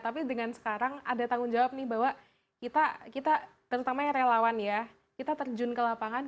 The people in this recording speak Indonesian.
tapi dengan sekarang ada tanggung jawab nih bahwa kita terutama yang relawan ya kita terjun ke lapangan